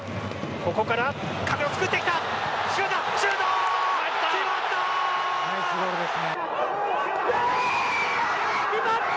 ここから壁を作ってきたシュート決まった。